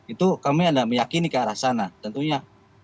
itu kami ada meyakini ke arah sana tentunya